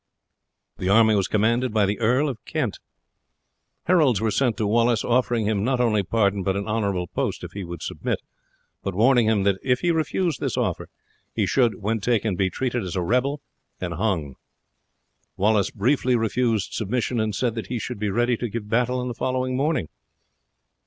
The army was commanded by the Earl of Kent. Heralds were sent to Wallace offering him not only pardon but an honourable post if he would submit, but warning him that if he refused this offer he should, when taken, be treated as a rebel and hung. Wallace briefly refused submission, and said that he should be ready to give battle on the following morning.